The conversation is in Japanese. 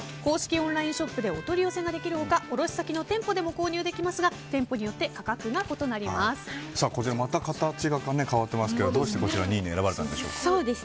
オンラインショップでお取り寄せができる他卸先の店舗でも購入できますがまた形が変わっていますがどうしてこちら２位に選ばれたんでしょうか？